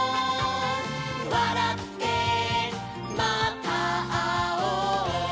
「わらってまたあおう」